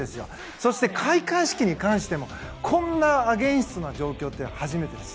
そして開会式に関してもこんなアゲインストな状況というのは初めてです。